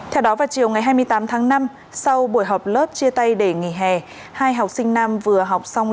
theo đó vào chiều ngày hai mươi tám tháng năm sau buổi học lớp chia tay để nghỉ hè hai học sinh nam vừa học xong